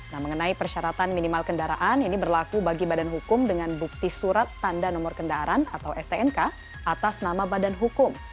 nah mengenai persyaratan minimal kendaraan ini berlaku bagi badan hukum dengan bukti surat tanda nomor kendaraan atau stnk atas nama badan hukum